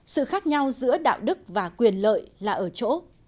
sự khác nhau giữa đạo đức và quyền lợi là ở chỗ